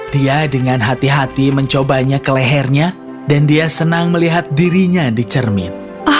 dia dengan hati hati mencobanya ke lehernya dan dia senang melihat dirinya dicermin